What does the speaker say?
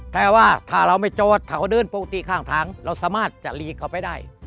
แต่ว่าถ้าเราไม่จอดเขาเดินปกติข้างทางเราสามารถจะหลีกเขาไปได้